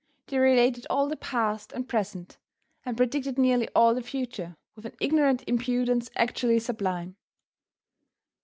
They related all the past and present, and predicted nearly all the future, with an ignorant impudence actually sublime.